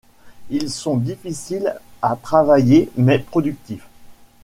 Ils sont difficiles à travailler mais productifs.